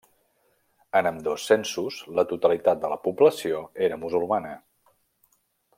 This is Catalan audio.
En ambdós censos, la totalitat de la població era musulmana.